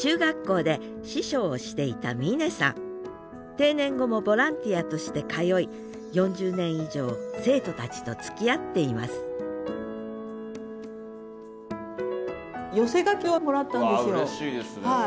定年後もボランティアとして通い４０年以上生徒たちとつきあっていますわうれしいですねそれは。